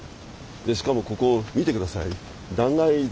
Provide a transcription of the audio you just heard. でしかもここ見て下さい。